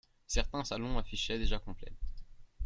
Certains salons affichaient déjà complet.